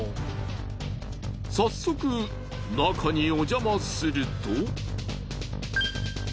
早速中におじゃますると。